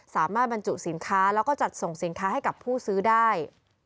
บรรจุสินค้าแล้วก็จัดส่งสินค้าให้กับผู้ซื้อได้